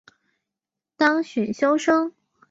当选修生